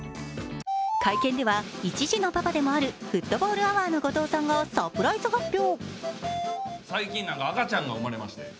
会見では１児のパパでもあるフットボールアワーの後藤さんがサプライズ発表。